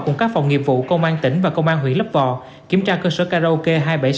cùng các phòng nghiệp vụ công an tỉnh và công an huyện lấp vò kiểm tra cơ sở karaoke hai trăm bảy mươi sáu